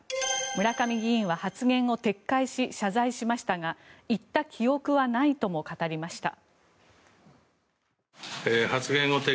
村上議員は発言を撤回し謝罪しましたが言った記憶はないとも語りました。